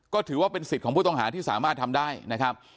ก็ถือว่าเป็นสิทธิ์ของผู้ต้องหาที่สามารถทำได้นะครับ